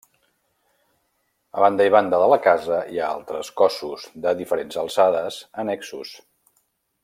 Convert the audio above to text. A banda i banda de la casa hi ha altres cossos, de diferents alçades, annexos.